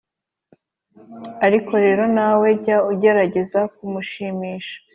ariko rero nawe jya ugerageza kumushimisha.